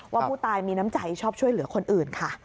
ว่าผู้ตายมีน้ำใจชอบช่วยเหลือคนอื่นค่ะ